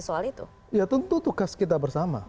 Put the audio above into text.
soal itu ya tentu tugas kita bersama